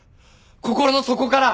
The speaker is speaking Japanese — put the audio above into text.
心の底から！